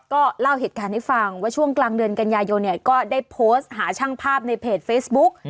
ก็เล่าเหตุการณ์ให้ฟังว่าช่วงกลางเดือนกันยายนเนี่ยก็ได้โพสต์หาช่างภาพในเพจเฟซบุ๊ก